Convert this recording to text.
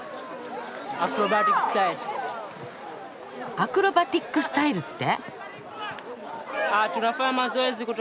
アクロバティック・スタイルって？